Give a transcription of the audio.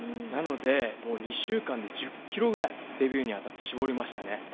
なのでもう２週間で１０キロぐらいデビューにあたって絞りましたね。